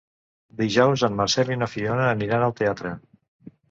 Dijous en Marcel i na Fiona aniran al teatre.